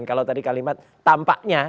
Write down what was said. kalau tadi kalimat tampaknya